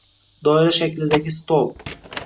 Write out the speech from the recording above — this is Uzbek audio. Doira shaklidagi stol